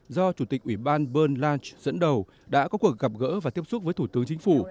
do chủ tịch ủy ban bern lanh dẫn đầu đã có cuộc gặp gỡ và tiếp xúc với thủ tướng chính phủ